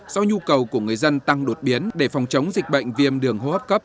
do nhu cầu của người dân tăng đột biến để phòng chống dịch bệnh viêm đường hô hấp cấp